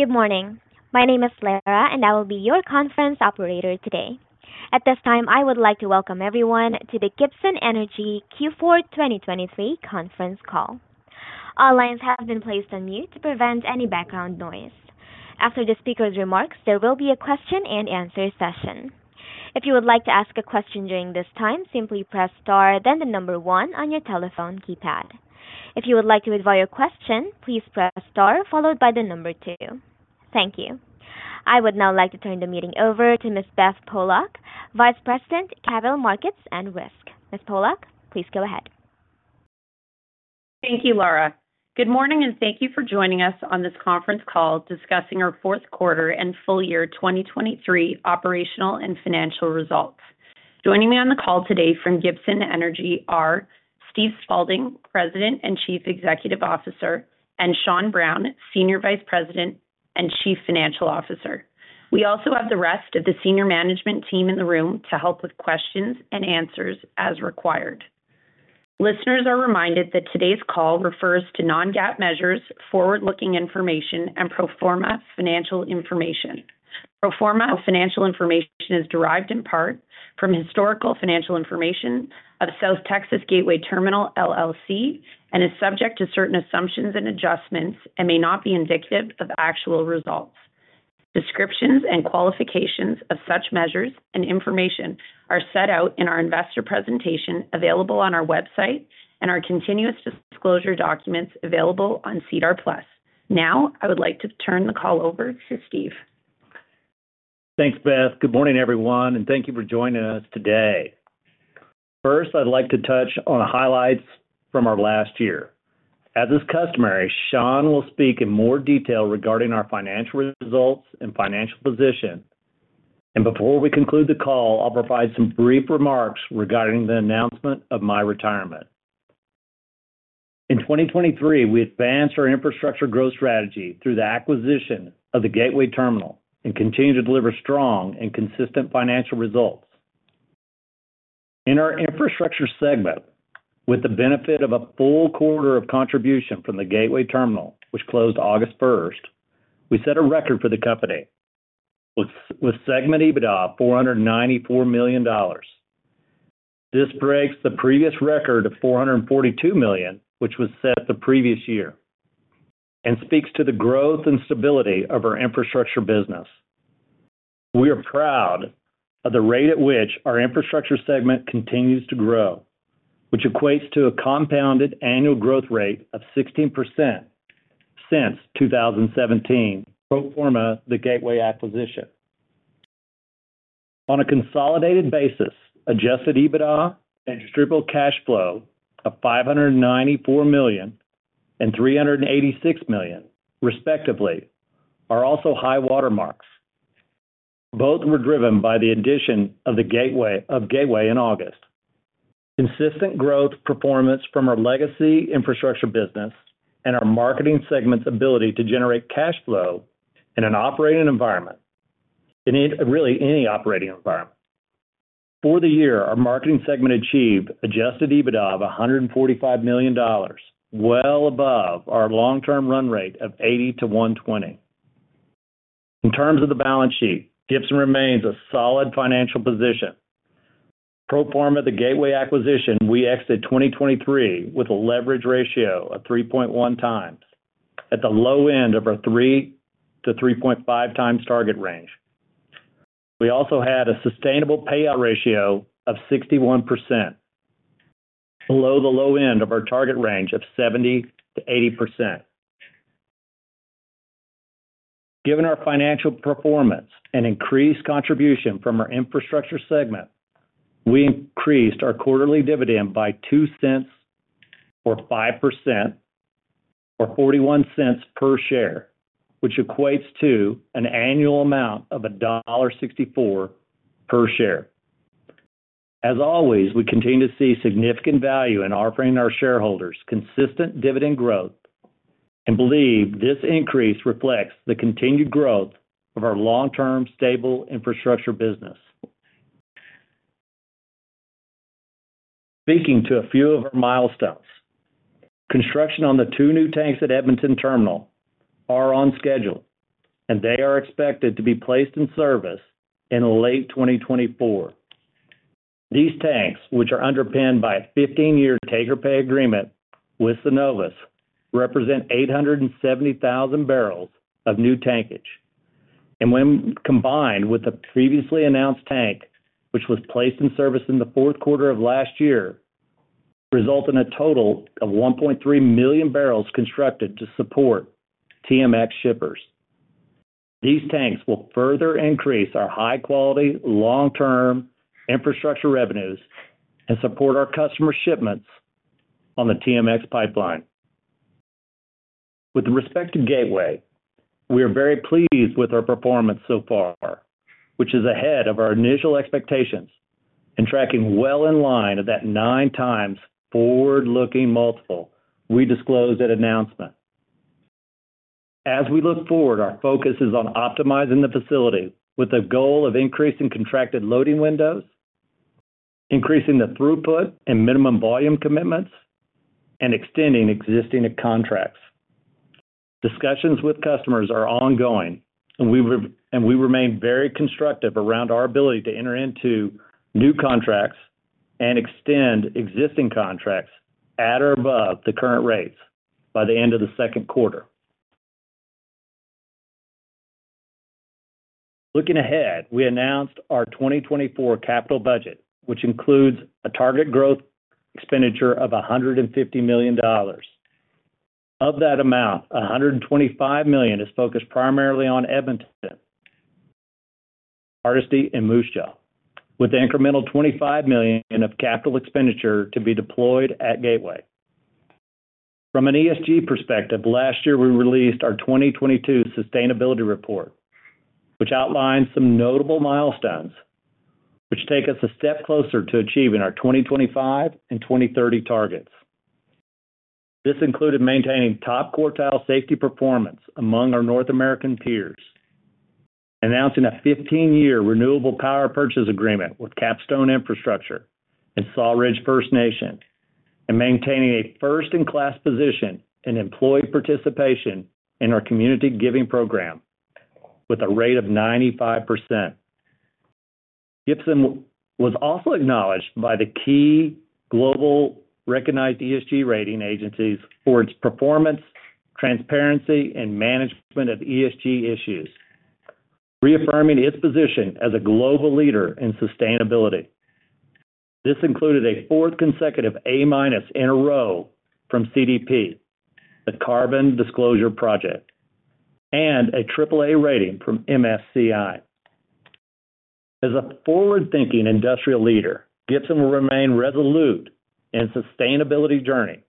Good morning. My name is Lara, and I will be your conference operator today. At this time, I would like to welcome everyone to the Gibson Energy Q4 2023 conference call. All lines have been placed on mute to prevent any background noise. After the speaker's remarks, there will be a question-and-answer session. If you would like to ask a question during this time, simply press star, then the number one on your telephone keypad. If you would like to withdraw your question, please press star followed by the number two. Thank you. I would now like to turn the meeting over to Ms. Beth Pollock, Vice President, Capital Markets and Risk. Ms. Pollock, please go ahead. Thank you, Lara. Good morning, and thank you for joining us on this conference call discussing our fourth quarter and full year 2023 operational and financial results. Joining me on the call today from Gibson Energy are Steve Spaulding, President and Chief Executive Officer, and Sean Brown, Senior Vice President and Chief Financial Officer. We also have the rest of the senior management team in the room to help with questions and answers as required. Listeners are reminded that today's call refers to non-GAAP measures, forward-looking information, and pro forma financial information. Pro forma financial information is derived in part from historical financial information of South Texas Gateway Terminal, LLC, and is subject to certain assumptions and adjustments, and may not be indicative of actual results. Descriptions and qualifications of such measures and information are set out in our investor presentation, available on our website, and our continuous disclosure documents available on SEDAR+. Now, I would like to turn the call over to Steve. Thanks, Beth. Good morning, everyone, and thank you for joining us today. First, I'd like to touch on the highlights from our last year. As is customary, Sean will speak in more detail regarding our financial results and financial position, and before we conclude the call, I'll provide some brief remarks regarding the announcement of my retirement. In 2023, we advanced our infrastructure growth strategy through the acquisition of the Gateway Terminal and continued to deliver strong and consistent financial results. In our infrastructure segment, with the benefit of a full quarter of contribution from the Gateway Terminal, which closed August first, we set a record for the company, with segment EBITDA 494 million dollars. This breaks the previous record of 442 million, which was set the previous year, and speaks to the growth and stability of our infrastructure business. We are proud of the rate at which our infrastructure segment continues to grow, which equates to a compounded annual growth rate of 16% since 2017, pro forma the Gateway acquisition. On a consolidated basis, adjusted EBITDA and distributable cash flow of 594 million and 386 million, respectively, are also high water marks. Both were driven by the addition of the Gateway in August. Consistent growth performance from our legacy infrastructure business and our marketing segment's ability to generate cash flow in an operating environment, in really any operating environment. For the year, our marketing segment achieved adjusted EBITDA of 145 million dollars, well above our long-term run rate of 80-120. In terms of the balance sheet, Gibson remains a solid financial position. Pro forma the Gateway acquisition, we exited 2023 with a leverage ratio of 3.1x, at the low end of our 3-3.5x target range. We also had a sustainable payout ratio of 61%, below the low end of our target range of 70%-80%. Given our financial performance and increased contribution from our infrastructure segment, we increased our quarterly dividend by 0.02, or 5%, or 0.41 per share, which equates to an annual amount of dollar 1.64 per share. As always, we continue to see significant value in offering our shareholders consistent dividend growth and believe this increase reflects the continued growth of our long-term, stable infrastructure business. Speaking to a few of our milestones, construction on the two new tanks at Edmonton Terminal are on schedule, and they are expected to be placed in service in late 2024. These tanks, which are underpinned by a 15-year take-or-pay agreement with Cenovus, represent 870,000 barrels of new tankage, and when combined with the previously announced tank, which was placed in service in the fourth quarter of last year, result in a total of 1.3 million barrels constructed to support TMX shippers. These tanks will further increase our high-quality, long-term infrastructure revenues and support our customer shipments on the TMX pipeline. With respect to Gateway, we are very pleased with our performance so far, which is ahead of our initial expectations and tracking well in line of that nine times forward-looking multiple we disclosed at announcement. As we look forward, our focus is on optimizing the facility with the goal of increasing contracted loading windows, increasing the throughput and minimum volume commitments, and extending existing contracts. Discussions with customers are ongoing, and we remain very constructive around our ability to enter into new contracts and extend existing contracts at or above the current rates by the end of the second quarter. Looking ahead, we announced our 2024 capital budget, which includes a target growth expenditure of 150 million dollars. Of that amount, 125 million is focused primarily on Edmonton, Hardisty, and Moose Jaw, with the incremental 25 million of capital expenditure to be deployed at Gateway. From an ESG perspective, last year, we released our 2022 Sustainability Report, which outlines some notable milestones, which take us a step closer to achieving our 2025 and 2030 targets. This included maintaining top-quartile safety performance among our North American peers, announcing a 15-year renewable power purchase agreement with Capstone Infrastructure and Sawridge First Nation, and maintaining a first-in-class position in employee participation in our community giving program with a rate of 95%. Gibson was also acknowledged by the key global recognized ESG rating agencies for its performance, transparency, and management of ESG issues, reaffirming its position as a global leader in sustainability. This included a fourth consecutive A- in a row from CDP, the Carbon Disclosure Project, and a AAA rating from MSCI. As a forward-thinking industrial leader, Gibson will remain resolute in its sustainability journey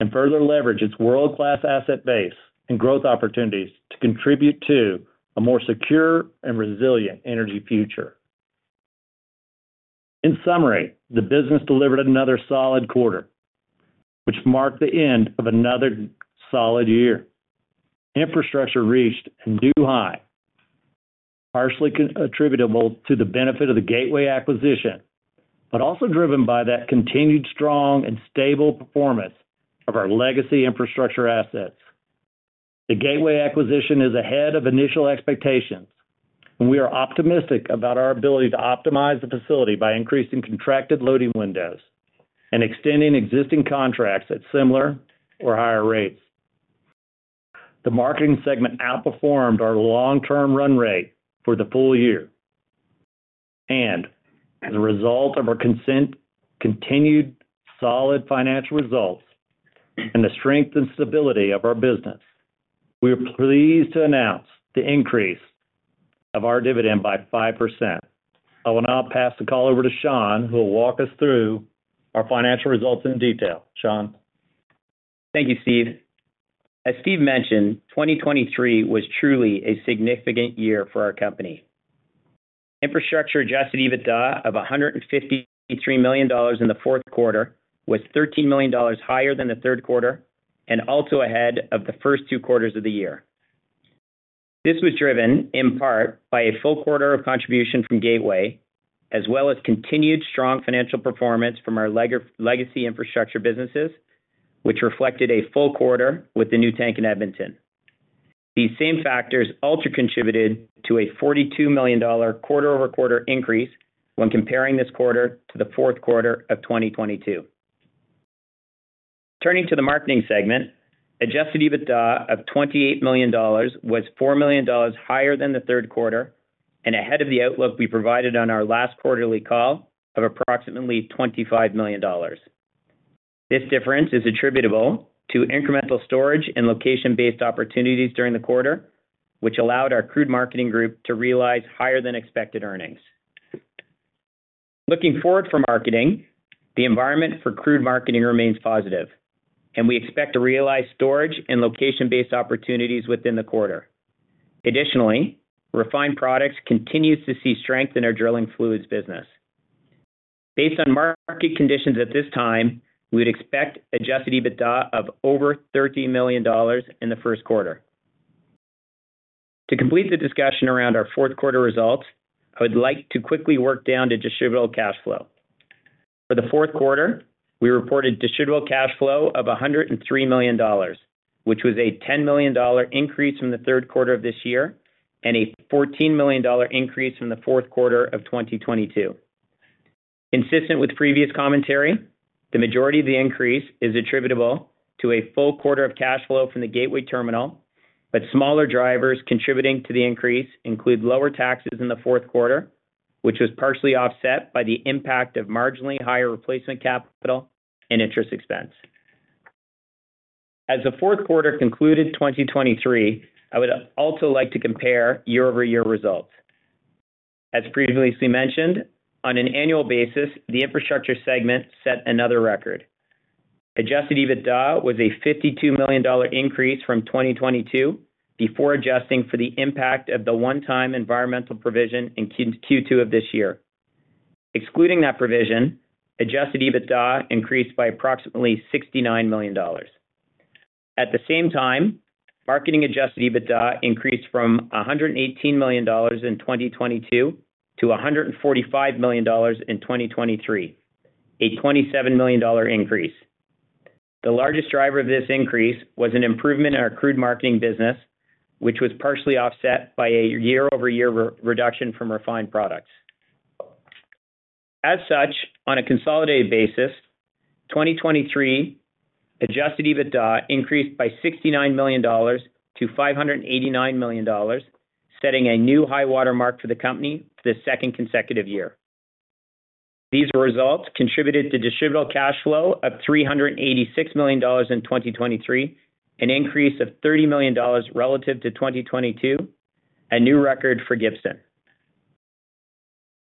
and further leverage its world-class asset base and growth opportunities to contribute to a more secure and resilient energy future. In summary, the business delivered another solid quarter, which marked the end of another solid year. Infrastructure reached a new high, partially attributable to the benefit of the Gateway acquisition, but also driven by that continued strong and stable performance of our legacy infrastructure assets. The Gateway acquisition is ahead of initial expectations, and we are optimistic about our ability to optimize the facility by increasing contracted loading windows and extending existing contracts at similar or higher rates. The marketing segment outperformed our long-term run rate for the full year, and as a result of our continued solid financial results and the strength and stability of our business, we are pleased to announce the increase of our dividend by 5%. I will now pass the call over to Sean, who will walk us through our financial results in detail. Sean? Thank you, Steve. As Steve mentioned, 2023 was truly a significant year for our company. Infrastructure adjusted EBITDA of 153 million dollars in the fourth quarter was 13 million dollars higher than the third quarter, and also ahead of the first two quarters of the year. This was driven, in part, by a full quarter of contribution from Gateway, as well as continued strong financial performance from our legacy infrastructure businesses, which reflected a full quarter with the new tank in Edmonton. These same factors also contributed to a 42 million dollar quarter-over-quarter increase when comparing this quarter to the fourth quarter of 2022. Turning to the marketing segment, adjusted EBITDA of 28 million dollars was 4 million dollars higher than the third quarter and ahead of the outlook we provided on our last quarterly call of approximately 25 million dollars. This difference is attributable to incremental storage and location-based opportunities during the quarter, which allowed our crude marketing group to realize higher-than-expected earnings. Looking forward for marketing, the environment for crude marketing remains positive, and we expect to realize storage and location-based opportunities within the quarter. Additionally, refined products continues to see strength in our drilling fluids business. Based on market conditions at this time, we'd expect Adjusted EBITDA of over 13 million dollars in the first quarter. To complete the discussion around our fourth quarter results, I would like to quickly work down to Distributable Cash Flow. For the fourth quarter, we reported Distributable Cash Flow of 103 million dollars, which was a 10 million dollar increase from the third quarter of this year and a 14 million dollar increase from the fourth quarter of 2022. Consistent with previous commentary, the majority of the increase is attributable to a full quarter of cash flow from the Gateway Terminal, but smaller drivers contributing to the increase include lower taxes in the fourth quarter, which was partially offset by the impact of marginally higher replacement capital and interest expense. As the fourth quarter concluded 2023, I would also like to compare year-over-year results. As previously mentioned, on an annual basis, the infrastructure segment set another record. Adjusted EBITDA was a $52 million increase from 2022 before adjusting for the impact of the one-time environmental provision in Q2 of this year. Excluding that provision, adjusted EBITDA increased by approximately $69 million. At the same time, marketing-adjusted EBITDA increased from $118 million in 2022 to $145 million in 2023, a $27 million increase. The largest driver of this increase was an improvement in our crude marketing business, which was partially offset by a year-over-year reduction from refined products. As such, on a consolidated basis, 2023 Adjusted EBITDA increased by CAD $69 million to CAD $589 million, setting a new high-water mark for the company for the second consecutive year. These results contributed to distributable cash flow of CAD $386 million in 2023, an increase of CAD $30 million relative to 2022, a new record for Gibson.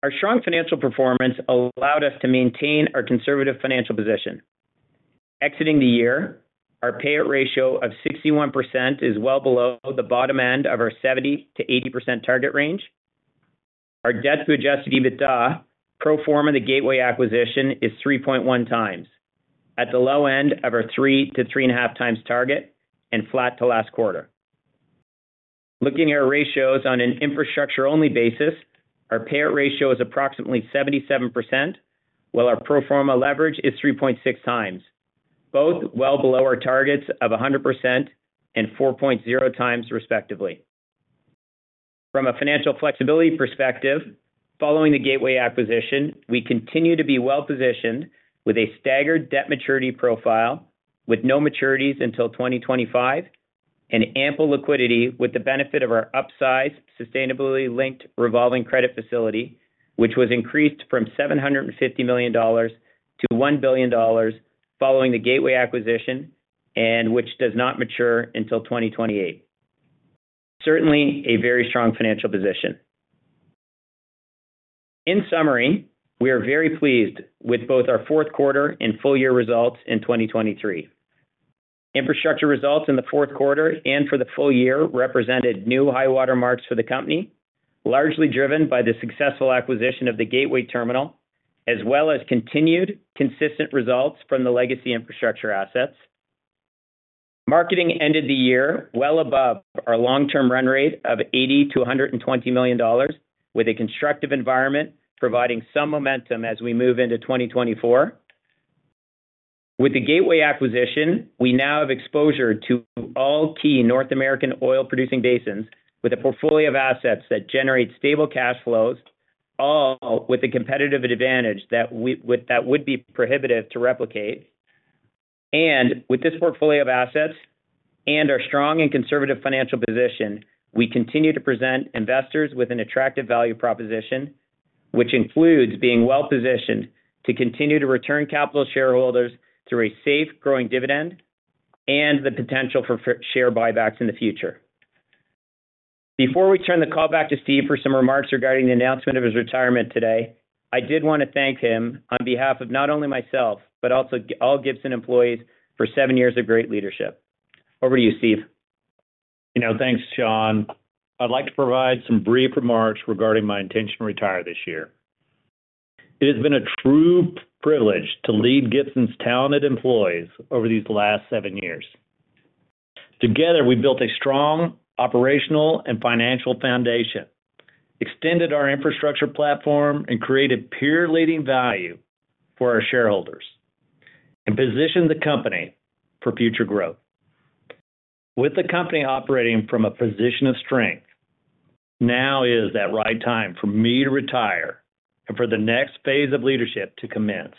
Our strong financial performance allowed us to maintain our conservative financial position. Exiting the year, our payout ratio of 61% is well below the bottom end of our 70%-80% target range. Our debt to Adjusted EBITDA, pro forma, the Gateway acquisition, is 3.1x, at the low end of our 3-3.5 times target and flat to last quarter. Looking at our ratios on an infrastructure-only basis, our payout ratio is approximately 77%, while our pro forma leverage is 3.6 times, both well below our targets of 100% and 4.0 times, respectively. From a financial flexibility perspective, following the Gateway acquisition, we continue to be well-positioned with a staggered debt maturity profile, with no maturities until 2025, and ample liquidity, with the benefit of our upsized, sustainability-linked, revolving credit facility, which was increased from 750 million dollars to 1 billion dollars following the Gateway acquisition, and which does not mature until 2028. Certainly, a very strong financial position. In summary, we are very pleased with both our fourth quarter and full-year results in 2023. Infrastructure results in the fourth quarter and for the full year represented new high-water marks for the company, largely driven by the successful acquisition of the Gateway Terminal, as well as continued consistent results from the legacy infrastructure assets. Marketing ended the year well above our long-term run rate of $80-$120 million, with a constructive environment, providing some momentum as we move into 2024. With the Gateway acquisition, we now have exposure to all key North American oil-producing basins, with a portfolio of assets that generate stable cash flows, all with a competitive advantage that would be prohibitive to replicate. With this portfolio of assets and our strong and conservative financial position, we continue to present investors with an attractive value proposition, which includes being well-positioned to continue to return capital to shareholders through a safe, growing dividend and the potential for share buybacks in the future. Before we turn the call back to Steve for some remarks regarding the announcement of his retirement today, I did want to thank him on behalf of not only myself, but also all Gibson employees, for seven years of great leadership. Over to you, Steve. You know, thanks, Sean. I'd like to provide some brief remarks regarding my intention to retire this year. It has been a true privilege to lead Gibson's talented employees over these last seven years. Together, we built a strong operational and financial foundation, extended our infrastructure platform, and created peer-leading value for our shareholders, and positioned the company for future growth. With the company operating from a position of strength, now is the right time for me to retire and for the next phase of leadership to commence.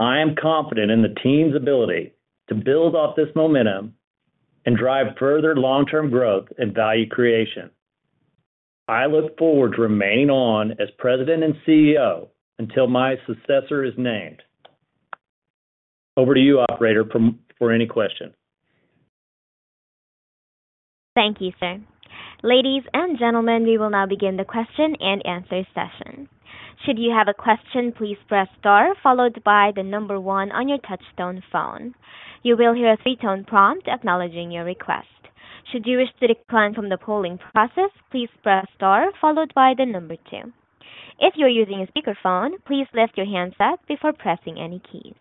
I am confident in the team's ability to build off this momentum and drive further long-term growth and value creation. I look forward to remaining on as President and CEO until my successor is named. Over to you, operator, for any question. Thank you, sir. Ladies and gentlemen, we will now begin the question and answer session. Should you have a question, please press star followed by the number one on your touchtone phone. You will hear a three-tone prompt acknowledging your request. Should you wish to decline from the polling process, please press star followed by the number two. If you are using a speakerphone, please lift your handset before pressing any keys.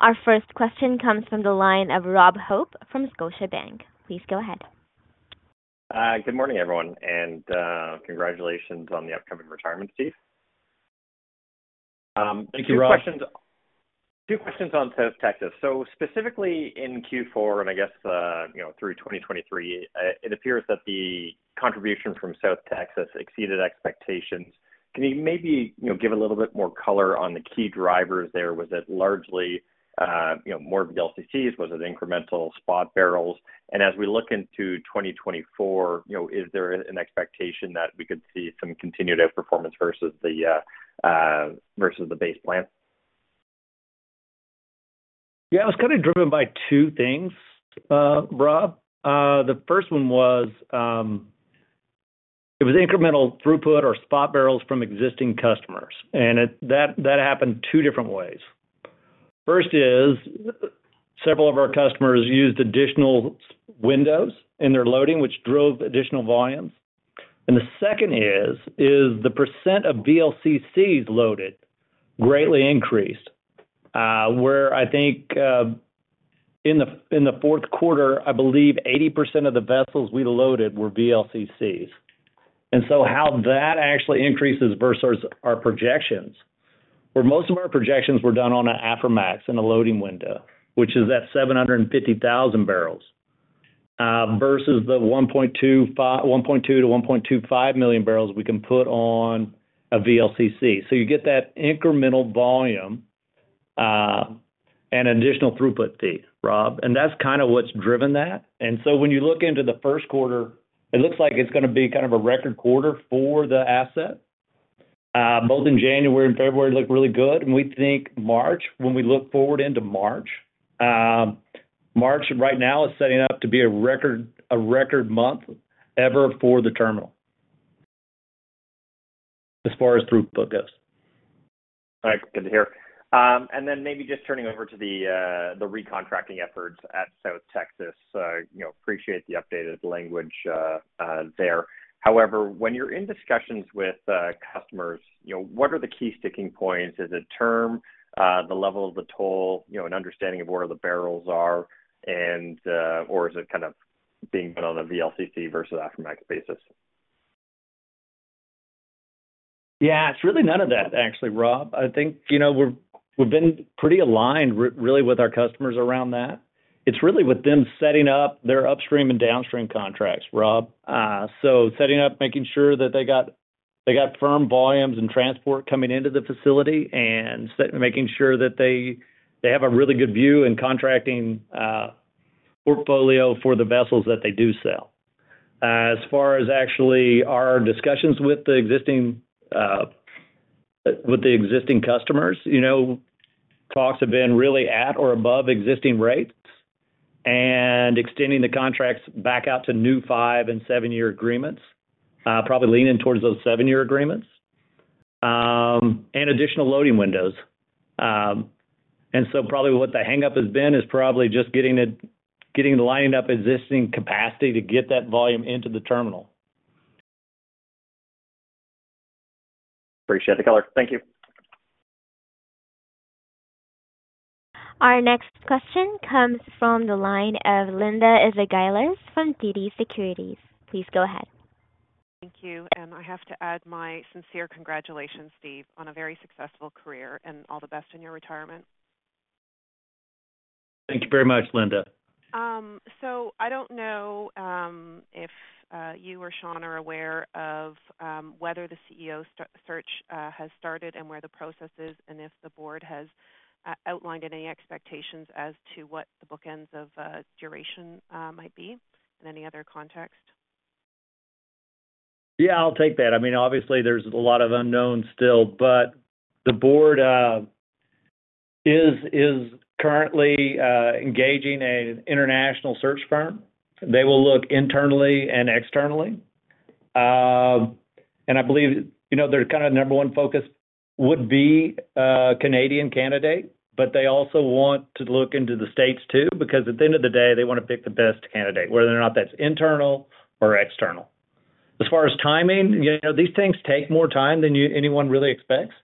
Our first question comes from the line of Rob Hope from Scotiabank. Please go ahead. Good morning, everyone, and congratulations on the upcoming retirement, Steve. Thank you, Rob. Two questions on South Texas. So specifically in Q4, and I guess, you know, through 2023, it appears that the contribution from South Texas exceeded expectations. Can you maybe, you know, give a little bit more color on the key drivers there? Was it largely, you know, more of the VLCCs? Was it incremental spot barrels? And as we look into 2024, you know, is there an expectation that we could see some continued outperformance versus the base plan? Yeah, it was kind of driven by two things, Rob. The first one was, it was incremental throughput or spot barrels from existing customers, and it, that, that happened two different ways. First is, several of our customers used additional windows in their loading, which drove additional volumes. And the second is, is the percent of VLCCs loaded greatly increased, where I think, in the, in the fourth quarter, I believe 80% of the vessels we loaded were VLCCs. And so how that actually increases versus our projections, where most of our projections were done on an Aframax in a loading window, which is at 750,000 barrels, versus the 1.2-1.25 million barrels we can put on a VLCC. So you get that incremental volume and additional throughput fee, Rob, and that's kind of what's driven that. And so when you look into the first quarter, it looks like it's gonna be kind of a record quarter for the asset. Both in January and February look really good. And we think March, when we look forward into March, March right now is setting up to be a record, a record month ever for the terminal, as far as throughput goes. All right. Good to hear. And then maybe just turning over to the recontracting efforts at South Texas. You know, appreciate the updated language there. However, when you're in discussions with customers, you know, what are the key sticking points? Is it term, the level of the toll, you know, an understanding of where the barrels are, and, or is it kind of being put on a VLCC versus Aframax basis? Yeah, it's really none of that, actually, Rob. I think, you know, we're, we've been pretty aligned really with our customers around that. It's really with them setting up their upstream and downstream contracts, Rob. So setting up, making sure that they got, they got firm volumes and transport coming into the facility, and making sure that they, they have a really good view and contracting portfolio for the vessels that they do sell. As far as actually our discussions with the existing, with the existing customers, you know, costs have been really at or above existing rates, and extending the contracts back out to new five and seven year agreements, probably leaning towards those seven year agreements, and additional loading windows. Probably what the hang-up has been is probably just getting lined up existing capacity to get that volume into the terminal. Appreciate the color. Thank you. Our next question comes from the line of Linda Ezergailis from TD Securities. Please go ahead. Thank you. I have to add my sincere congratulations, Steve, on a very successful career, and all the best in your retirement. Thank you very much, Linda. I don't know if you or Sean are aware of whether the CEO search has started and where the process is, and if the board has outlined any expectations as to what the bookends of duration might be, and any other context. Yeah, I'll take that. I mean, obviously there's a lot of unknowns still, but the board is currently engaging an international search firm. They will look internally and externally. I believe, you know, their kind of number one focus would be a Canadian candidate, but they also want to look into the States, too, because at the end of the day, they want to pick the best candidate, whether or not that's internal or external. As far as timing, you know, these things take more time than anyone really expects.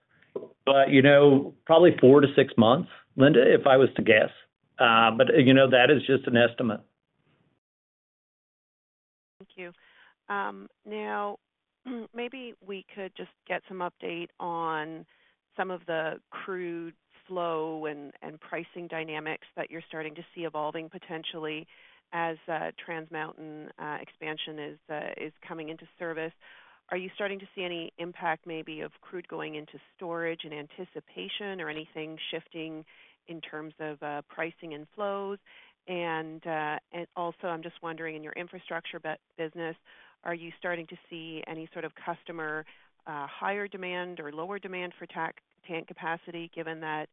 But, you know, probably four-six months, Linda, if I was to guess. But, you know, that is just an estimate. Thank you. Now, maybe we could just get some update on some of the crude flow and pricing dynamics that you're starting to see evolving potentially as Trans Mountain expansion is coming into service. Are you starting to see any impact maybe of crude going into storage in anticipation or anything shifting in terms of pricing and flows? And also, I'm just wondering, in your infrastructure business, are you starting to see any sort of customer higher demand or lower demand for tank capacity, given that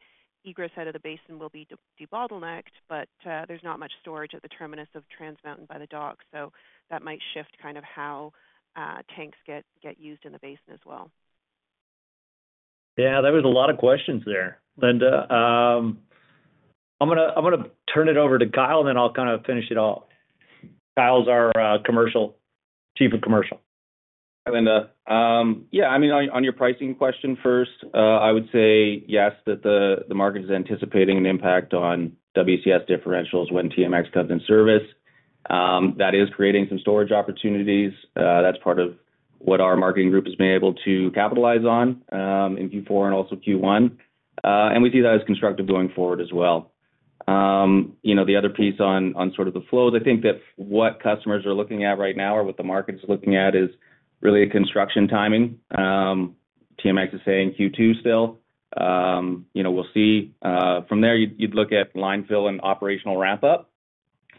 egress out of the basin will be de-bottlenecked, but there's not much storage at the terminus of Trans Mountain by the dock, so that might shift kind of how tanks get used in the basin as well. Yeah, there was a lot of questions there, Linda. I'm gonna turn it over to Kyle, and then I'll kind of finish it off. Kyle's our, Chief of Commercial. Linda. Yeah, I mean, on, on your pricing question first, I would say yes, that the, the market is anticipating an impact on WCS differentials when TMX comes in service. That is creating some storage opportunities. That's part of what our marketing group has been able to capitalize on, in Q4 and also Q1. And we see that as constructive going forward as well. You know, the other piece on, on sort of the flows, I think that what customers are looking at right now or what the market is looking at, is really a construction timing. TMX is saying Q2 still. You know, we'll see. From there, you'd, you'd look at line fill and operational wrap-up.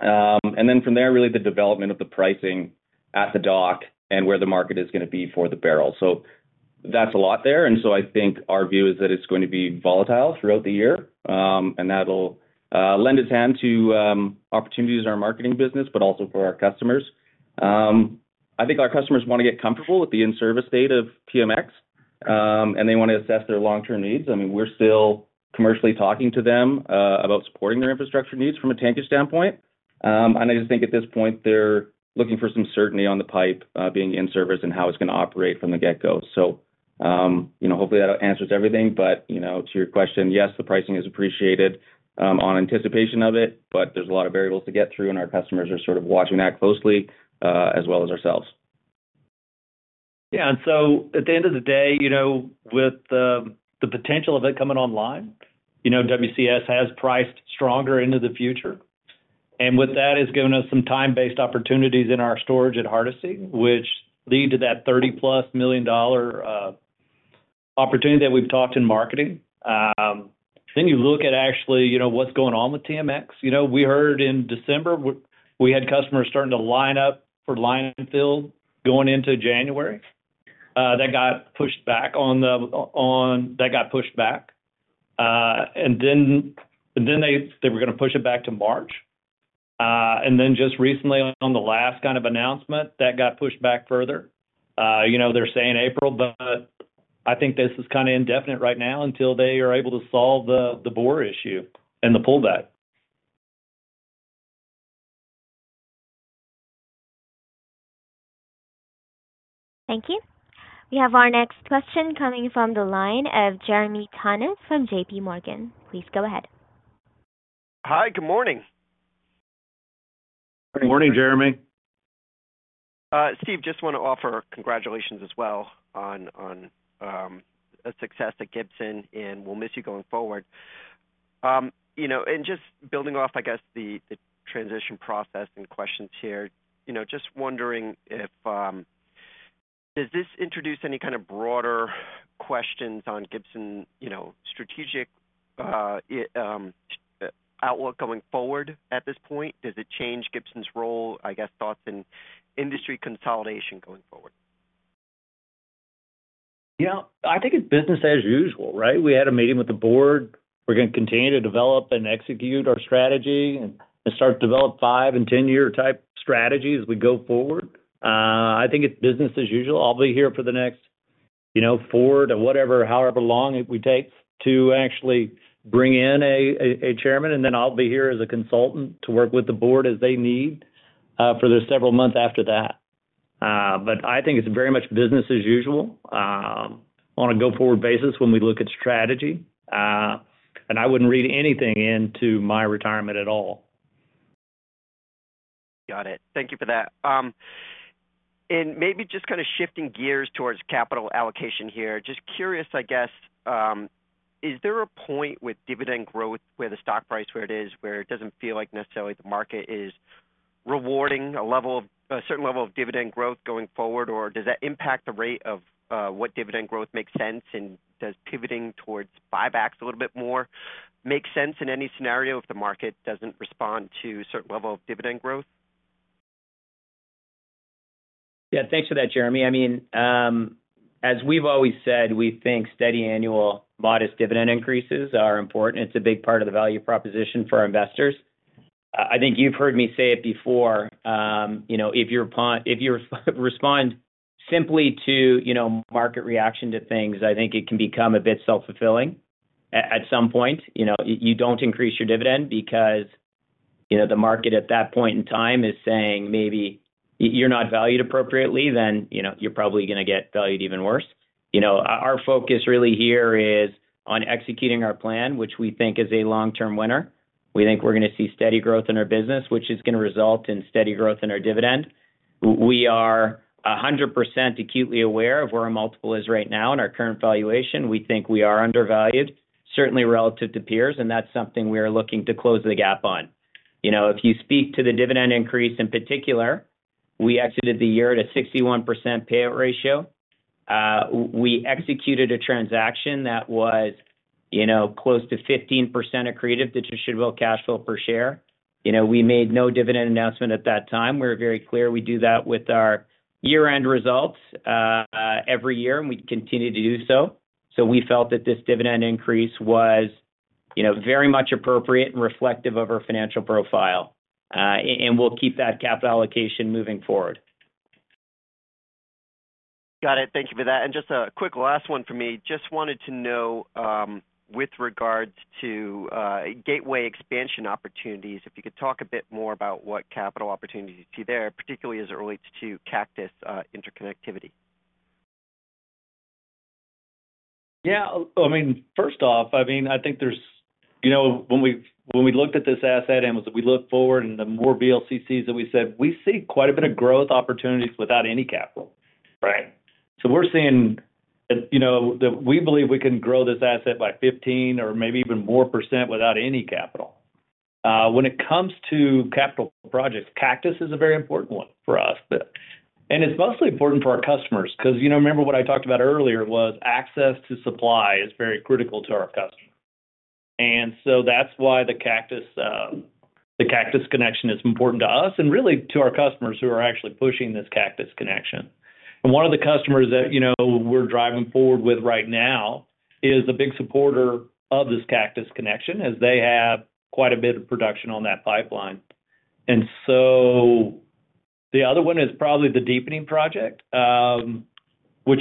And then from there, really the development of the pricing at the dock and where the market is gonna be for the barrel. So that's a lot there, and so I think our view is that it's going to be volatile throughout the year. And that'll lend its hand to opportunities in our marketing business, but also for our customers. I think our customers want to get comfortable with the in-service date of TMX. And they want to assess their long-term needs. I mean, we're still commercially talking to them about supporting their infrastructure needs from a tankage standpoint. And I just think at this point, they're looking for some certainty on the pipe being in service and how it's going to operate from the get-go. So, you know, hopefully that answers everything. But, you know, to your question, yes, the pricing is appreciated on anticipation of it, but there's a lot of variables to get through, and our customers are sort of watching that closely, as well as ourselves. Yeah, and so at the end of the day, you know, with the, the potential of it coming online, you know, WCS has priced stronger into the future. And with that, it's given us some time-based opportunities in our storage at Hardisty, which lead to that 30+ million-dollar opportunity that we've talked in marketing. Then you look at actually, you know, what's going on with TMX. You know, we heard in December we had customers starting to line up for linefill going into January. That got pushed back. That got pushed back. And then they were going to push it back to March. And then just recently, on the last kind of announcement, that got pushed back further. You know, they're saying April, but I think this is kind of indefinite right now until they are able to solve the bore issue and the pullback. Thank you. We have our next question coming from the line of Jeremy Tonet from JP Morgan. Please go ahead. Hi, good morning. Good morning, Jeremy. Steve, just want to offer congratulations as well on a success at Gibson, and we'll miss you going forward. You know, just building off, I guess, the transition process and questions here. You know, just wondering if does this introduce any kind of broader questions on Gibson, you know, strategic outlook going forward at this point? Does it change Gibson's role, I guess, thoughts in industry consolidation going forward? Yeah, I think it's business as usual, right? We had a meeting with the board. We're going to continue to develop and execute our strategy and start to develop five-and-10-year type strategies as we go forward. I think it's business as usual. I'll be here for the next, you know, four to whatever, however long it will take to actually bring in a chairman, and then I'll be here as a consultant to work with the board as they need for the several months after that. But I think it's very much business as usual on a go-forward basis when we look at strategy. And I wouldn't read anything into my retirement at all. Got it. Thank you for that. And maybe just kind of shifting gears towards capital allocation here. Just curious, I guess, is there a point with dividend growth, where the stock price, where it is, where it doesn't feel like necessarily the market is rewarding a level of—a certain level of dividend growth going forward, or does that impact the rate of what dividend growth makes sense? And does pivoting towards buybacks a little bit more make sense in any scenario if the market doesn't respond to a certain level of dividend growth? Yeah, thanks for that, Jeremy. I mean, as we've always said, we think steady annual modest dividend increases are important. It's a big part of the value proposition for our investors. I think you've heard me say it before, you know, if you respond simply to, you know, market reaction to things, I think it can become a bit self-fulfilling at some point. You know, you don't increase your dividend because, you know, the market at that point in time is saying maybe you're not valued appropriately, then, you know, you're probably going to get valued even worse. You know, our focus really here is on executing our plan, which we think is a long-term winner. We think we're going to see steady growth in our business, which is going to result in steady growth in our dividend. We are 100% acutely aware of where our multiple is right now and our current valuation. We think we are undervalued, certainly relative to peers, and that's something we are looking to close the gap on. You know, if you speak to the dividend increase in particular, we exited the year at a 61% payout ratio. We executed a transaction that was, you know, close to 15% accretive to Distributable Cash Flow per share. You know, we made no dividend announcement at that time. We're very clear. We do that with our year-end results, every year, and we continue to do so. So we felt that this dividend increase was, you know, very much appropriate and reflective of our financial profile, and we'll keep that capital allocation moving forward. Got it. Thank you for that. And just a quick last one for me. Just wanted to know, with regards to Gateway expansion opportunities, if you could talk a bit more about what capital opportunities you see there, particularly as it relates to Cactus interconnectivity. Yeah. I mean, first off, I mean, I think there's. You know, when we, when we looked at this asset and as we look forward and the more VLCCs that we said, we see quite a bit of growth opportunities without any capital, right? So we're seeing, you know, that we believe we can grow this asset by 15% or maybe even more % without any capital. When it comes to capital projects, Cactus is a very important one for us. But, and it's mostly important for our customers because, you know, remember what I talked about earlier was access to supply is very critical to our customers. And so that's why the Cactus, the Cactus connection is important to us and really to our customers who are actually pushing this Cactus connection. One of the customers that, you know, we're driving forward with right now is a big supporter of this Cactus connection, as they have quite a bit of production on that pipeline. The other one is probably the deepening project, which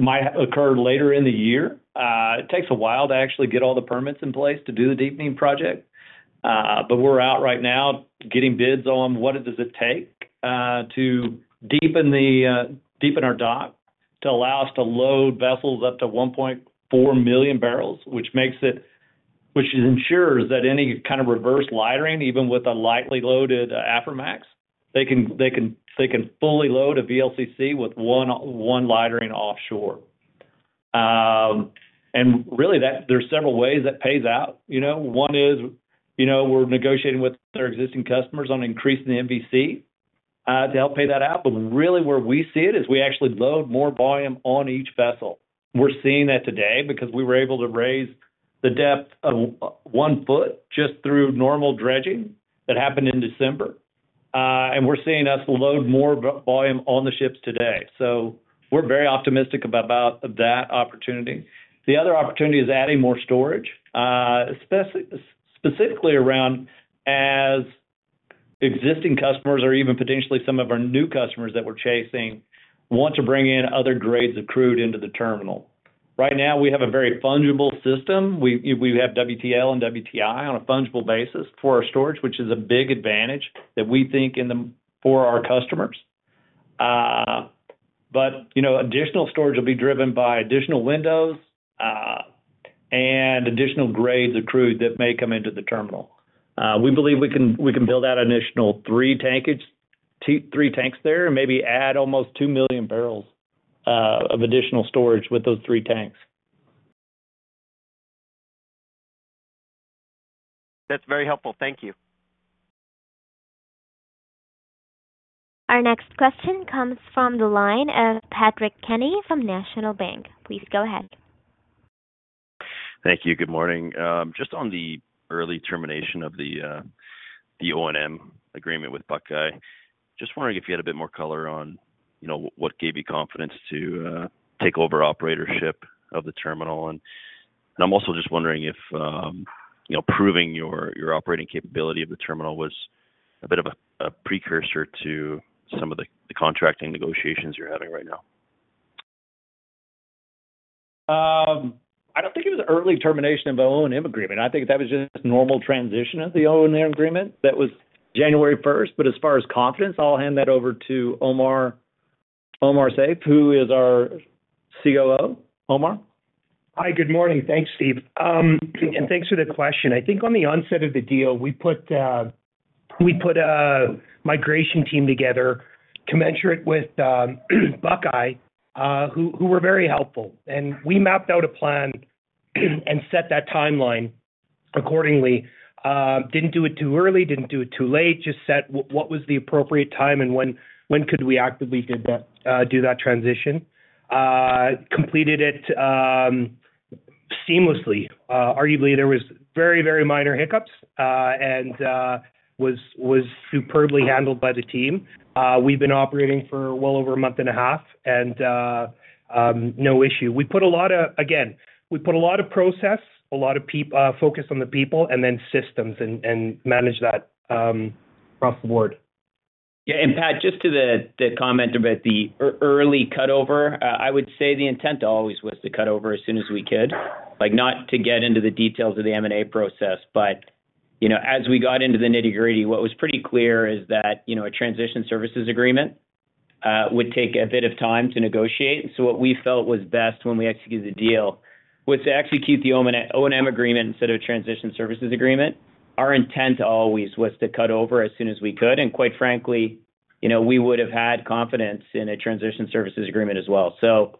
might occur later in the year. It takes a while to actually get all the permits in place to do the deepening project. But we're out right now getting bids on what does it take to deepen our dock, to allow us to load vessels up to 1.4 million barrels, which ensures that any kind of reverse lightering, even with a lightly loaded Aframax, they can fully load a VLCC with one lightering offshore. And really, that there are several ways that pays out. You know, one is, you know, we're negotiating with our existing customers on increasing the MVC to help pay that out. But really where we see it is we actually load more volume on each vessel. We're seeing that today because we were able to raise the depth of one foot just through normal dredging that happened in December. And we're seeing us load more volume on the ships today. So we're very optimistic about that opportunity. The other opportunity is adding more storage, specifically around our existing customers or even potentially some of our new customers that we're chasing, want to bring in other grades of crude into the terminal. Right now, we have a very fungible system. We have WTL and WTI on a fungible basis for our storage, which is a big advantage that we think in the for our customers. But, you know, additional storage will be driven by additional windows and additional grades of crude that may come into the terminal. We believe we can build out an additional three tankage, two-three tanks there, and maybe add almost 2 million barrels of additional storage with those three tanks. That's very helpful. Thank you. Our next question comes from the line of Patrick Kenny from National Bank. Please go ahead. Thank you. Good morning. Just on the early termination of the O&M agreement with Buckeye. Just wondering if you had a bit more color on, you know, what gave you confidence to take over operatorship of the terminal. And I'm also just wondering if, you know, proving your operating capability of the terminal was a bit of a precursor to some of the contracting negotiations you're having right now. I don't think it was an early termination of the O&M agreement. I think that was just normal transition of the O&M agreement. That was January first, but as far as confidence, I'll hand that over to Omar, Omar Saif, who is our COO. Omar? Hi, good morning. Thanks, Steve. Thanks for the question. I think on the onset of the deal, we put a migration team together, commensurate with Buckeye, who were very helpful, and we mapped out a plan and set that timeline accordingly. Didn't do it too early, didn't do it too late, just set what was the appropriate time and when we could actively do that transition. Completed it seamlessly. Arguably, there was very, very minor hiccups, and was superbly handled by the team. We've been operating for well over a month and a half, and no issue. We put a lot of. Again, we put a lot of process, a lot of people focus on the people and then systems and managed that across the board. Yeah, and Pat, just to the comment about the early cut over, I would say the intent always was to cut over as soon as we could. Like, not to get into the details of the M&A process, but, you know, as we got into the nitty-gritty, what was pretty clear is that, you know, a transition services agreement would take a bit of time to negotiate. So what we felt was best when we executed the deal was to execute the O&M agreement instead of a transition services agreement. Our intent always was to cut over as soon as we could, and quite frankly, you know, we would have had confidence in a transition services agreement as well. So,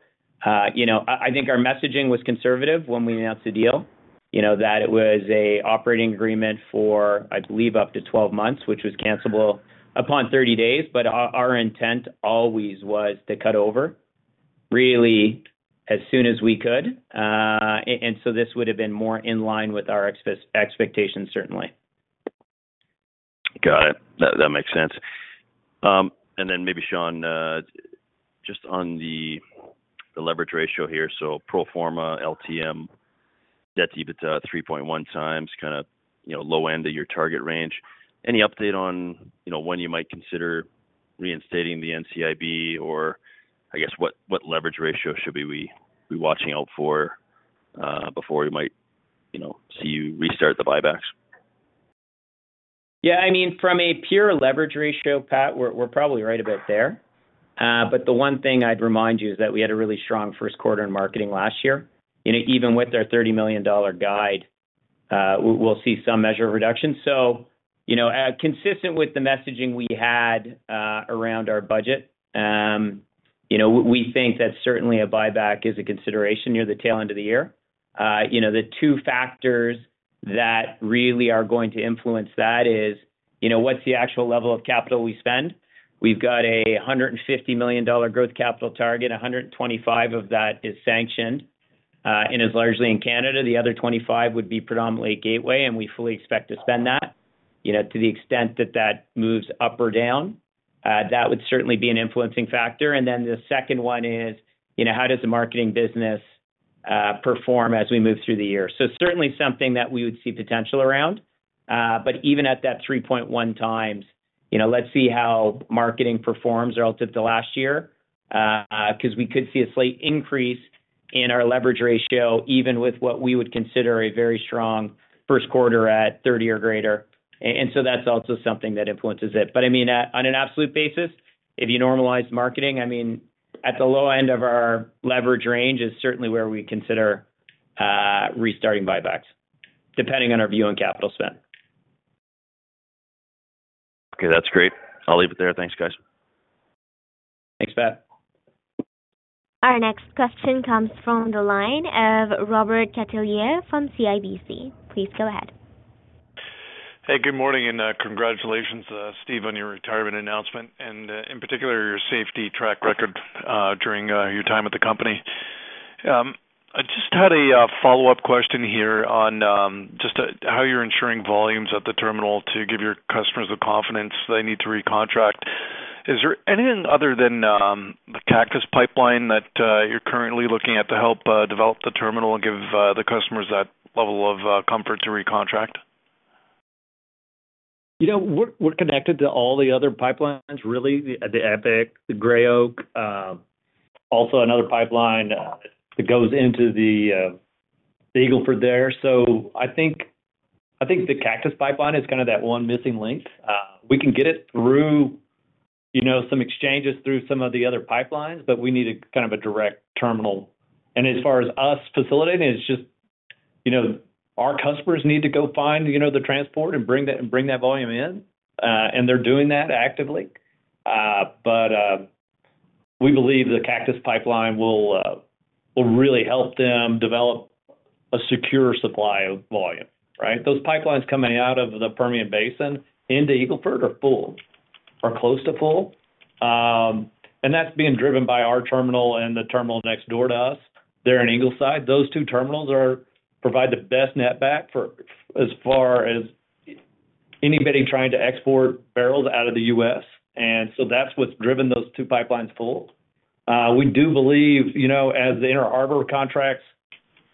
you know, I, I think our messaging was conservative when we announced the deal, you know, that it was a operating agreement for, I believe, up to 12 months, which was cancelable upon 30 days, but our, our intent always was to cut over, really, as soon as we could. And so this would have been more in line with our expectations, certainly. Got it. That, that makes sense. And then maybe, Sean, just on the leverage ratio here. So pro forma LTM debt-to-EBITDA, 3.1 times, kinda, you know, low end of your target range. Any update on, you know, when you might consider reinstating the NCIB or I guess, what leverage ratio should we be watching out for, before we might, you know, see you restart the buybacks? Yeah, I mean, from a pure leverage ratio, Pat, we're probably right about there. But the one thing I'd remind you is that we had a really strong first quarter in marketing last year. You know, even with our 30 million dollar guide, we'll see some measure of reduction. So, you know, consistent with the messaging we had around our budget, you know, we think that certainly a buyback is a consideration near the tail end of the year. You know, the two factors that really are going to influence that is, you know, what's the actual level of capital we spend? We've got a 150 million dollar growth capital target. 125 of that is sanctioned, and is largely in Canada. The other 25 would be predominantly Gateway, and we fully expect to spend that. You know, to the extent that that moves up or down, that would certainly be an influencing factor. And then the second one is, you know, how does the marketing business perform as we move through the year. So certainly something that we would see potential around. But even at that 3.1x, you know, let's see how marketing performs relative to last year, 'cause we could see a slight increase in our leverage ratio, even with what we would consider a very strong first quarter at 30 or greater. And so that's also something that influences it. But I mean, on an absolute basis, if you normalize marketing, I mean, at the low end of our leverage range is certainly where we consider restarting buybacks, depending on our view on capital spend. Okay, that's great. I'll leave it there. Thanks, guys. Thanks, Pat. Our next question comes from the line of Robert Catellier from CIBC. Please go ahead. Hey, good morning, and congratulations, Steve, on your retirement announcement, and in particular, your safety track record during your time at the company. I just had a follow-up question here on just how you're ensuring volumes at the terminal to give your customers the confidence they need to recontract. Is there anything other than the Cactus Pipeline that you're currently looking at to help develop the terminal and give the customers that level of comfort to recontract? You know, we're connected to all the other pipelines, really, the EPIC, the Gray Oak, also another pipeline that goes into the Eagle Ford there. So I think the Cactus Pipeline is kind of that one missing link. We can get it through, you know, some exchanges through some of the other pipelines, but we need a kind of a direct terminal. And as far as us facilitating, it's just, you know, our customers need to go find, you know, the transport and bring that, and bring that volume in, and they're doing that actively. But we believe the Cactus Pipeline will really help them develop a secure supply of volume, right? Those pipelines coming out of the Permian Basin into Eagle Ford are full, or close to full. And that's being driven by our terminal and the terminal next door to us there in Ingleside. Those two terminals provide the best netback for as far as anybody trying to export barrels out of the U.S., and so that's what's driven those two pipelines full. We do believe, you know, as the Inner Harbor contracts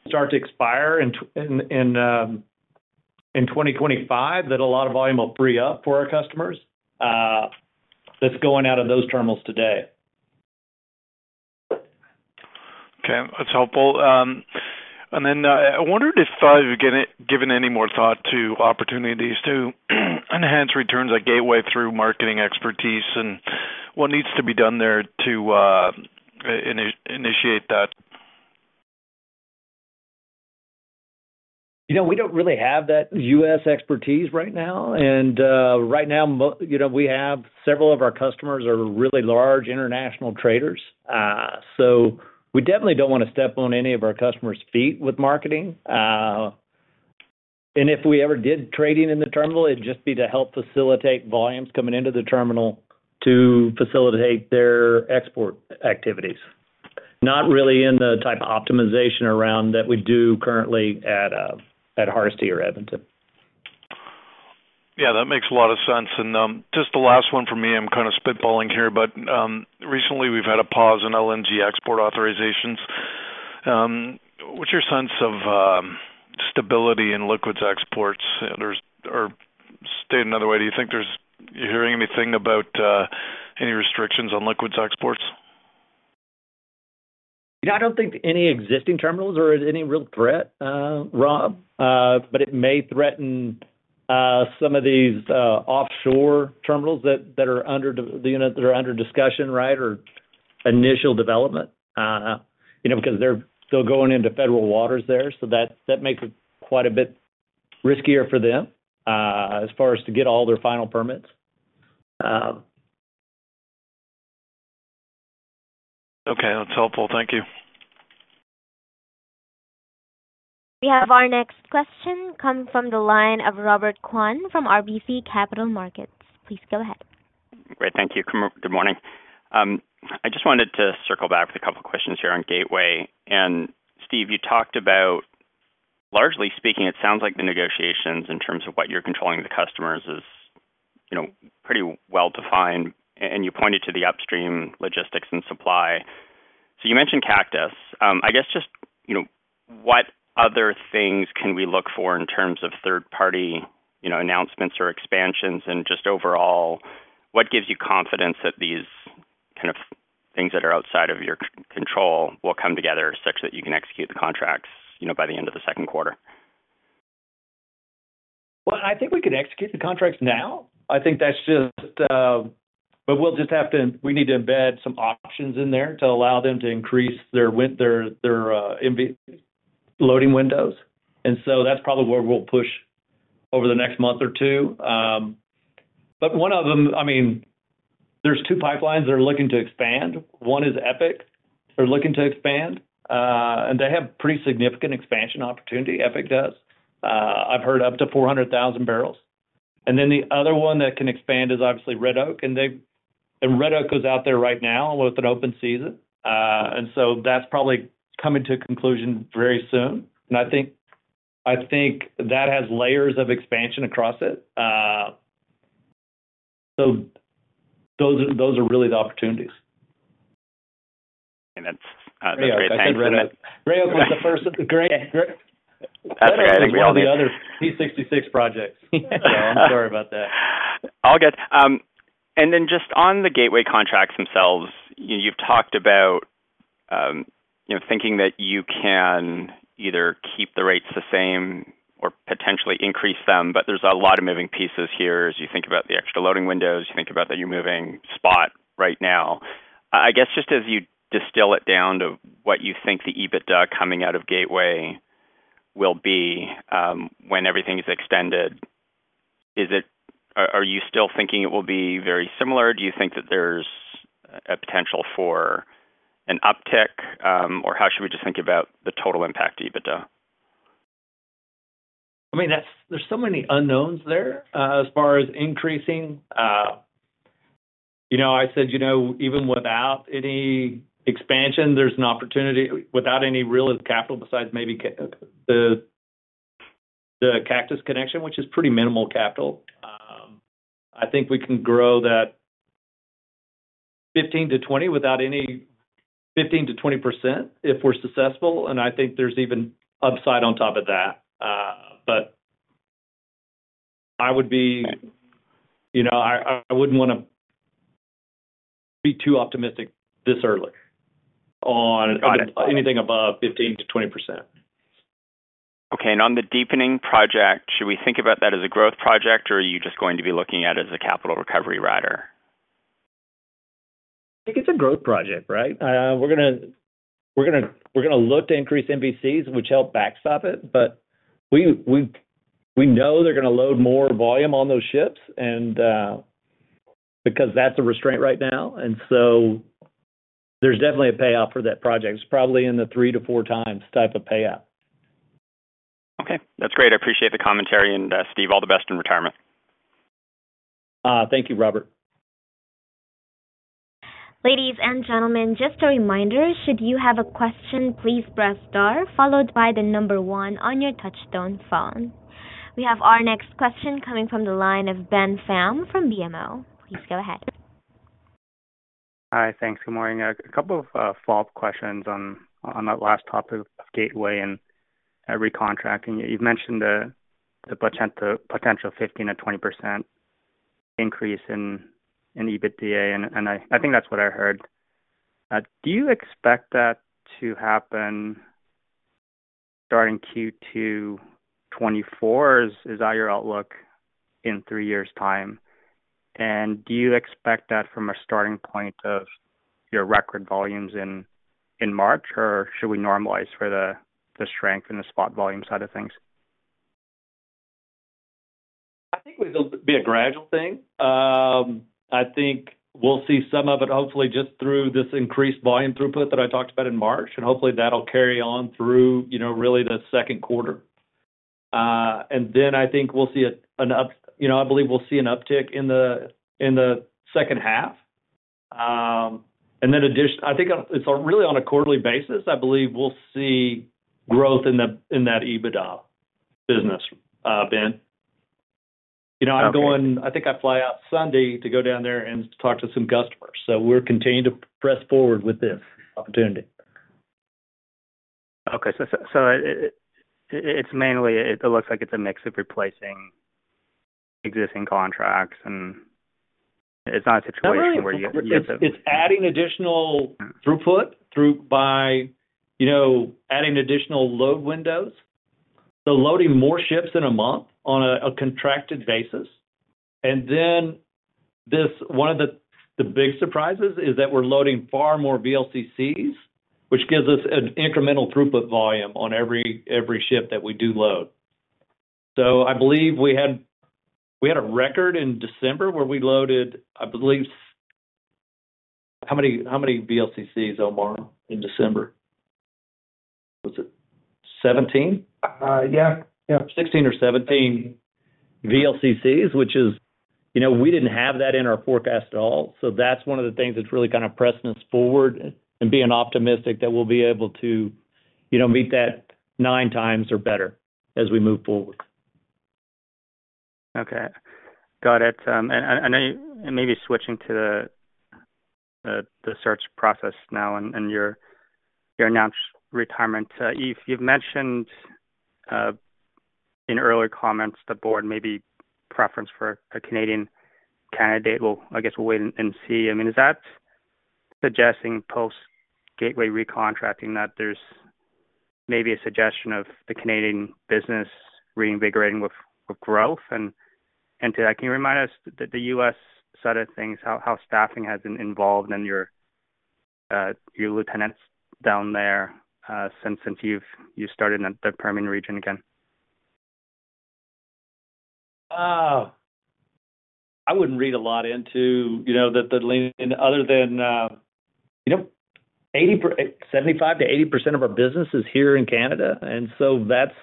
start to expire in 2025, that a lot of volume will free up for our customers, that's going out of those terminals today. Okay, that's helpful. And then, I wondered if given any more thought to opportunities to enhance returns at Gateway through marketing expertise, and what needs to be done there to initiate that? You know, we don't really have that U.S. expertise right now. And right now, you know, we have several of our customers are really large international traders. So we definitely don't wanna step on any of our customers' feet with marketing. And if we ever did trading in the terminal, it'd just be to help facilitate volumes coming into the terminal to facilitate their export activities, not really in the type of optimization around that we do currently at Hardisty or Edmonton. Yeah, that makes a lot of sense. And, just the last one for me, I'm kind of spitballing here, but, recently, we've had a pause in LNG export authorizations. What's your sense of, stability in liquids exports? Or state another way, you're hearing anything about any restrictions on liquids exports? You know, I don't think any existing terminals are in any real threat, Rob, but it may threaten some of these offshore terminals that, you know, are under discussion, right, or initial development, you know, because they're still going into federal waters there, so that makes it quite a bit riskier for them, as far as to get all their final permits. Okay, that's helpful. Thank you. We have our next question come from the line of Robert Kwan from RBC Capital Markets. Please go ahead. Great. Thank you. Good morning. I just wanted to circle back with a couple questions here on Gateway. And Steve, you talked about, largely speaking, it sounds like the negotiations in terms of what you're controlling the customers is, you know, pretty well-defined, and you pointed to the upstream logistics and supply. So you mentioned Cactus. I guess just, you know, what other things can we look for in terms of third-party, you know, announcements or expansions? And just overall, what gives you confidence that these kind of things that are outside of your control will come together such that you can execute the contracts, you know, by the end of the second quarter? Well, I think we can execute the contracts now. I think that's just. But we'll just have to. We need to embed some options in there to allow them to increase their window, their loading windows, and so that's probably where we'll push over the next month or two. But one of them. I mean, there's two pipelines that are looking to expand. One is EPIC. They're looking to expand, and they have pretty significant expansion opportunity, EPIC does. I've heard up to 400,000 barrels. And then the other one that can expand is obviously Red Oak, and they. And Red Oak is out there right now with an open season. And so that's probably coming to a conclusion very soon, and I think, I think that has layers of expansion across it. Those are, those are really the opportunities. And that's, that's a great time for that. Gray Oak was the first. Great, great. That's great. One of the other P66 projects. I'm sorry about that. All good. And then just on the gateway contracts themselves, you, you've talked about, you know, thinking that you can either keep the rates the same or potentially increase them, but there's a lot of moving pieces here. As you think about the extra loading windows, you think about that you're moving spot right now. I guess, just as you distill it down to what you think the EBITDA coming out of Gateway will be, when everything is extended, is it-- Are you still thinking it will be very similar? Do you think that there's a potential for an uptick? Or how should we just think about the total impact to EBITDA? I mean, that's-- there's so many unknowns there as far as increasing. You know, I said, you know, even without any expansion, there's an opportunity-- without any real capital, besides maybe the Cactus connection, which is pretty minimal capital. I think we can grow that 15%-20% without any-- 15%-20% if we're successful, and I think there's even upside on top of that. But I would be- Right. You know, I wouldn't wanna be too optimistic this early on- Got it. Anything above 15%-20%. Okay. And on the deepening project, should we think about that as a growth project, or are you just going to be looking at it as a capital recovery rider? I think it's a growth project, right? We're gonna look to increase MVCs, which help backstop it, but we know they're gonna load more volume on those ships, and because that's a restraint right now, and so there's definitely a payoff for that project. It's probably in the three-four times type of payout. Okay, that's great. I appreciate the commentary, and, Steve, all the best in retirement. Thank you, Robert. Ladies and gentlemen, just a reminder, should you have a question, please press star, followed by the number one on your touchtone phone. We have our next question coming from the line of Ben Pham from BMO. Please go ahead. Hi. Thanks. Good morning. A couple of follow-up questions on that last topic of Gateway and recontracting. You've mentioned the potential 15%-20% increase in EBITDA, and I think that's what I heard. Do you expect that to happen starting Q2 2024? Is that your outlook in three years' time? And do you expect that from a starting point of your record volumes in March, or should we normalize for the strength and the spot volume side of things? I think it'll be a gradual thing. I think we'll see some of it hopefully just through this increased volume throughput that I talked about in March, and hopefully that'll carry on through, you know, really the second quarter. And then I think we'll see an uptick in the second half. You know, I believe we'll see an uptick in the second half. And then I think it's on, really, on a quarterly basis, I believe we'll see growth in that EBITDA business, Ben. Okay. You know, I think I fly out Sunday to go down there and talk to some customers, so we're continuing to press forward with this opportunity. Okay. It's mainly—it looks like it's a mix of replacing existing contracts, and it's not a situation where you- It's adding additional throughput by, you know, adding additional load windows. So, loading more ships in a month on a contracted basis. And then one of the big surprises is that we're loading far more VLCCs, which gives us an incremental throughput volume on every ship that we do load. So, I believe we had a record in December where we loaded, I believe. How many VLCCs, Omar, in December? Was it 17? Yeah, yeah. 16 or 17 VLCCs, which is, you know, we didn't have that in our forecast at all. So that's one of the things that's really kind of pressing us forward and being optimistic that we'll be able to, you know, meet that nine times or better as we move forward. Okay. Got it. And maybe switching to the search process now and your announced retirement. You've mentioned in earlier comments, the board maybe preference for a Canadian candidate. Well, I guess we'll wait and see. I mean, is that suggesting post-Gateway recontracting, that there's maybe a suggestion of the Canadian business reinvigorating with growth? And can you remind us the U.S. side of things, how staffing has been involved and your lieutenants down there, since you've started in the Permian region again? I wouldn't read a lot into, you know, the lean other than, you know, 75%-80% of our business is here in Canada, and so that's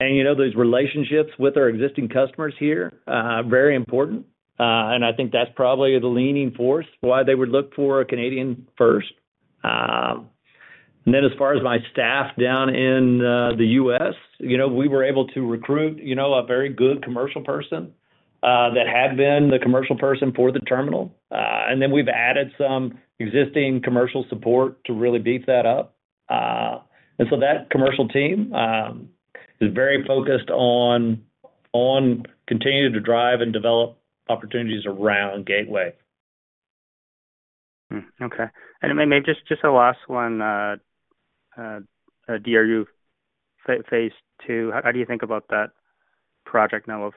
and you know, these relationships with our existing customers here very important. And I think that's probably the leaning force, why they would look for a Canadian first. And then as far as my staff down in the U.S., you know, we were able to recruit, you know, a very good commercial person that had been the commercial person for the terminal. And then we've added some existing commercial support to really beef that up. And so that commercial team is very focused on continuing to drive and develop opportunities around Gateway. Hmm. Okay. And then maybe just a last one. DRU Phase II, how do you think about that project now of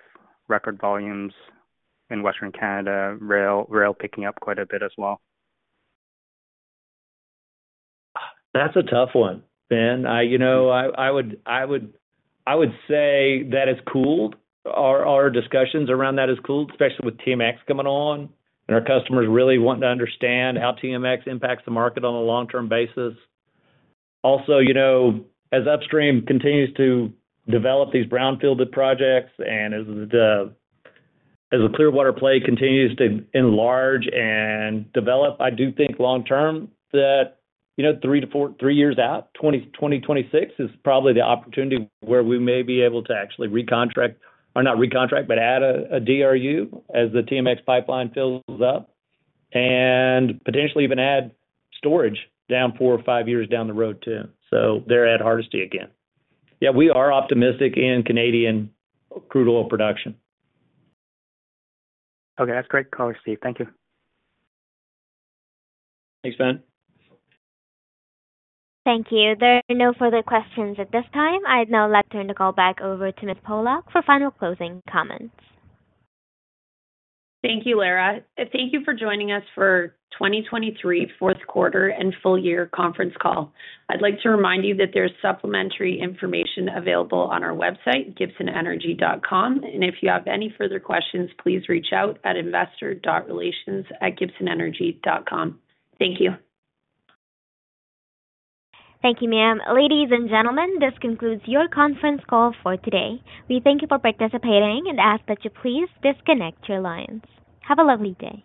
record volumes in Western Canada, rail picking up quite a bit as well? That's a tough one, Ben. I, you know, would say that it's cooled. Our discussions around that have cooled, especially with TMX coming on, and our customers really wanting to understand how TMX impacts the market on a long-term basis. Also, you know, as upstream continues to develop these brownfield projects and as the Clearwater play continues to enlarge and develop, I do think long term that, you know, three-four years out, 2026 is probably the opportunity where we may be able to actually recontract, or not recontract, but add a DRU as the TMX pipeline fills up, and potentially even add storage four or five years down the road, too. So they're at Hardisty again. Yeah, we are optimistic in Canadian crude oil production. Okay, that's great. Thanks, Steve. Thank you. Thanks, Ben. Thank you. There are no further questions at this time. I'd now like to turn the call back over to Miss Pollock for final closing comments. Thank you, Lara, and thank you for joining us for 2023 Fourth Quarter and Full Year conference call. I'd like to remind you that there's supplementary information available on our website, gibsonenergy.com. If you have any further questions, please reach out at investor.relations@gibsonenergy.com. Thank you. Thank you, ma'am. Ladies and gentlemen, this concludes your conference call for today. We thank you for participating and ask that you please disconnect your lines. Have a lovely day.